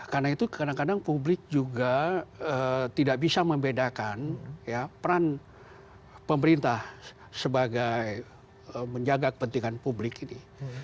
karena itu kadang kadang publik juga tidak bisa membedakan peran pemerintah sebagai menjaga kepentingan publik ini